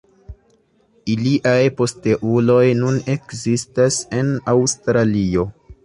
Iliaj posteuloj nun ekzistas en Aŭstralio.